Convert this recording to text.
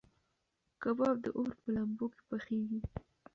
کباب د اور په لمبو کې پخېږي.